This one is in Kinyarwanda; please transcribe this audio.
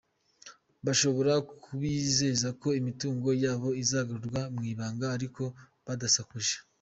Bashobora kubizeza ko imitungo yabo izagarurwa mw’ibanga ariko badasakuje.